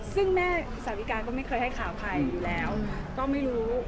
ซึ่งแม่สาวิกาก็ไม่เคยให้ข่าวใครอยู่แล้วก็ไม่รู้